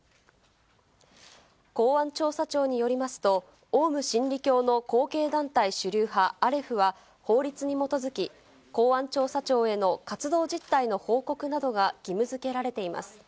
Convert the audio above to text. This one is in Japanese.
公安調査庁によりますと、オウム真理教の後継団体主流派、アレフは、法律に基づき、公安調査庁への活動実態の報告などが義務づけられています。